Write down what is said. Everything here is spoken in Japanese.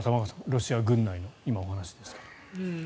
ロシア軍内のお話ですが。